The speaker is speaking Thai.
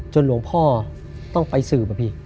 หลวงพ่อต้องไปสืบอะพี่